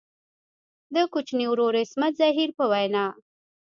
د کوچني ورور عصمت زهیر په وینا.